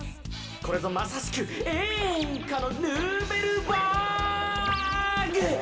これぞまさしくえんかのヌーベルバーグ！